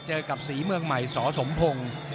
เจอกับศรีเมืองใหม่สสมพงศ์